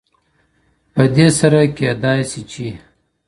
پدې سره کېدای سي چي